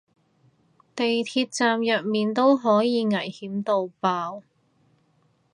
地鐵站入面都可以危險到爆